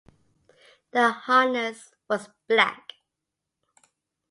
The harness was black.